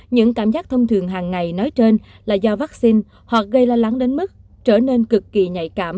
những cảm giác thông thường hàng ngày nói trên là do vaccine hoặc gây lo lắng đến mức trở nên cực kỳ nhạy cảm